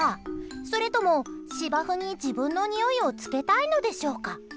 それとも、芝生に自分のにおいをつけたいのでしょうか？